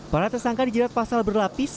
para tersangka di jelat pasal berlapis